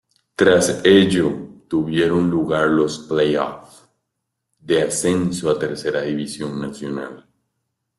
Tras ello tuvieron lugar los "play-off" de ascenso a Tercera División Nacional.